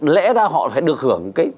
lẽ ra họ phải được hưởng